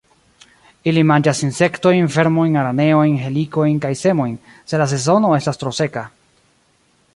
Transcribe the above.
Ili manĝas insektojn, vermojn, araneojn, helikojn kaj semojn, se la sezono estas tro seka.